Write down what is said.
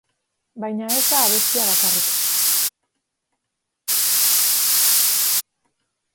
Baina ez da abestia bakarrik.